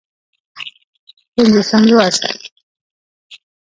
پينځوسم لوست